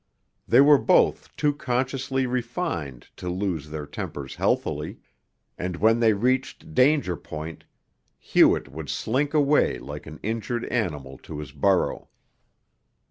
They were both too consciously refined to lose their tempers healthily, and when they reached danger point, Hewett would slink away like an injured animal to his burrow.